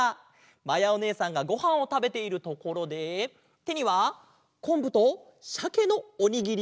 まやおねえさんがごはんをたべているところでてにはこんぶとしゃけのおにぎり！